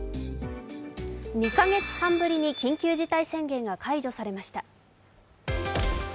２カ月半ぶりに緊急事態宣言が解除されました。